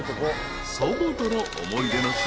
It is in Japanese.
［祖母との思い出の品